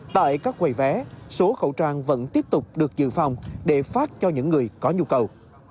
tại các quầy vé số khẩu trang vẫn tiếp tục được dự phòng để phát cho những người có nhu cầu